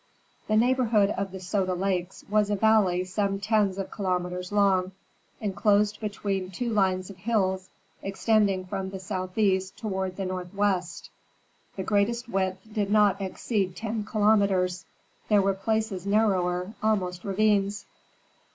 The neighborhood of the Soda Lakes was a valley some tens of kilometres long, enclosed between two lines of hills, extending from the southeast toward the northwest. The greatest width did not exceed ten kilometres; there were places narrower, almost ravines.